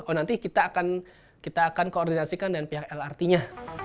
oh nanti kita akan koordinasikan dengan pihak lrt nya